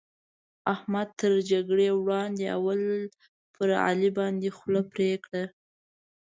احمد تر جګړې وړاندې؛ اول پر علي باندې خوله پرې کړه.